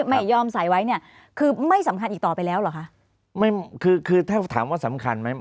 ไม่ยอมใส่ไว้เนี่ยคือไม่สำคัญอีกต่อไปแล้วเหรอคะไม่คือคือถ้าถามว่าสำคัญไหม